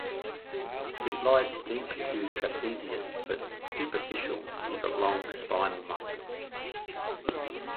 It lies deep to trapezius but superficial to the long spinal muscles.